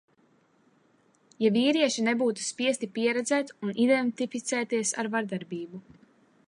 Ja vīrieši nebūtu spiesti pieredzēt un identificēties ar vardarbību.